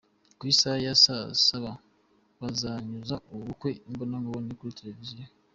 Ku isaha ya saa Saba, bazanyuza ubu bukwe imbonankubone kuri Televiziyo.